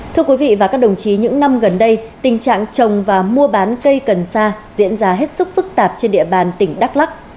thưa quý vị và các đồng chí những năm gần đây tình trạng trồng và mua bán cây cần sa diễn ra hết sức phức tạp trên địa bàn tỉnh đắk lắc